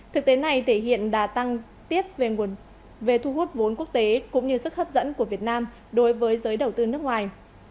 thực tế này thể hiện đã tăng tiếp về thu hút vốn quốc tế cũng như sức hấp dẫn của việt nam đối với giới đầu tư nước ngoài